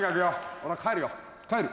俺は帰るよ帰る。